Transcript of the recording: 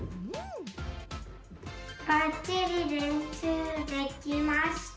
バッチリれんしゅうできました。